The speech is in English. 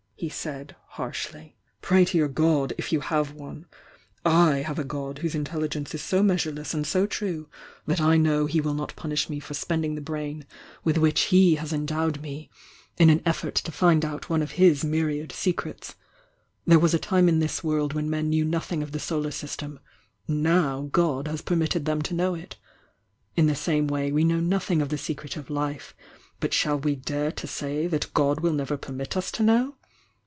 '" he said, harshly— "Pray to your God, rf you have one! / have a God who% intelligence is so measureless and so true that I IIIh 292 THE YOUNG DIANA know He will not punish me for spending the bmn with which He has endowed me, in an effort to fand out one of His myriad secrets. There was a tune in this world when men knew nothing of ttie solar ^stem, now God has permitted them to know it Tthe'same way we know nothing of the secret o life but shall we dare to say that God will never pemU us to know?